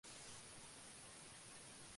Su cuenca abarca cuatro condados.